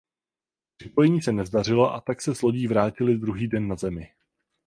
Připojení se nezdařilo a tak se s lodí vrátili druhý den na Zemi.